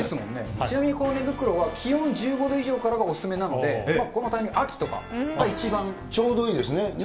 ちなみにこの寝袋は気温１５度以上からがお勧めなので、このタイミング、秋とかちょうどいいですね。